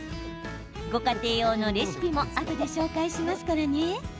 ご家庭用のレシピもあとで紹介しますからね。